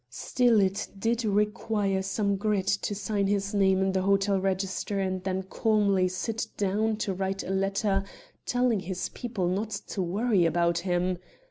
Still, it did require some grit to sign his name in the hotel register and then calmly sit down to write a letter telling his people not to worry about him.